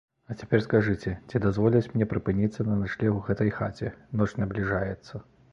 А цяпер скажыце, ці дазволяць мне прыпыніцца на начлег у гэтай хаце, ноч набліжаецца.